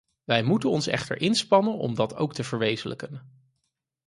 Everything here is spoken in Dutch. Wij moeten ons echter inspannen om dat ook te verwezenlijken.